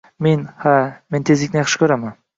— Men… ha, men tezlikni yaxshi ko‘raman